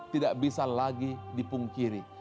tidak bisa lagi dihindari